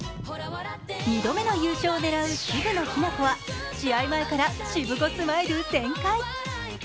２度めの優勝を狙う渋野日向子は試合前からしぶこスマイル全開。